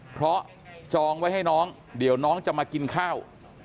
เพราะจองไว้ให้น้องเดี๋ยวน้องจะมากินข้าว